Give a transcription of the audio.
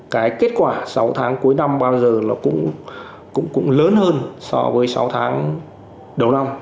cái kết quả sáu tháng cuối năm bao giờ nó cũng lớn hơn so với sáu tháng đầu năm